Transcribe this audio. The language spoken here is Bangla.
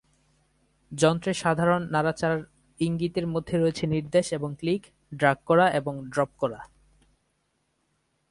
যন্ত্রে সাধারণ নাড়াচাড়ার/ইঙ্গিতের মধ্যে রয়েছে নির্দেশ এবং ক্লিক, ড্রাগ করা এবং ড্রপ করা।